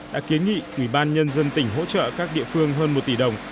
đã kiến nghị ủy ban nhân dân tỉnh hỗ trợ các địa phương hơn một tỷ đồng